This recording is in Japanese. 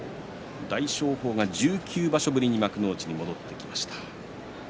大翔鵬が１９場所ぶりに幕内に戻ってきました。